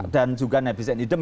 dan juga nebis and idem